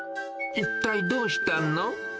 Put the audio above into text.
一体どうしたの？